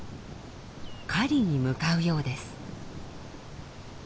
狩りに向かうようです。